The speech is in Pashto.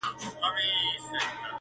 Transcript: • لکه نه وې زېږېدلی لکه نه وي چا لیدلی -